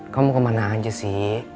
kamu kemana aja sih